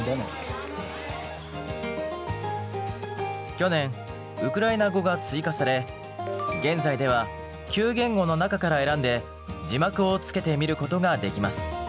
去年ウクライナ語が追加され現在では９言語の中から選んで字幕をつけて見ることができます。